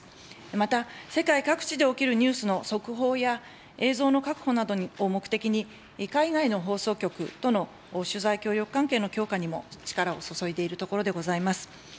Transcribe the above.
また、世界各地で起きるニュースの速報や、映像の確保などを目的に、海外の放送局との取材協力関係の強化にも力を注いでいるところでございます。